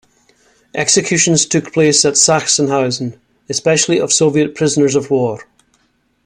Executions took place at Sachsenhausen, especially of Soviet prisoners of war.